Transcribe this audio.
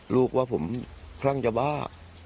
ลูกว่าผมคลั่งยาบ้า